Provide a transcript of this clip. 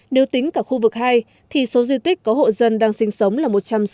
nếu tính cả khu vực hai thì số di tích có hộ dân đang sinh sống là một trăm sáu mươi